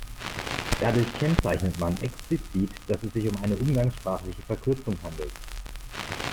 Dadurch kennzeichnet man explizit, dass es sich um eine umgangssprachliche Verkürzung handelt.